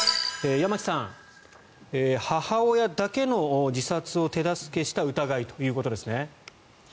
山木さん、母親だけの自殺を手助けした疑いということですね。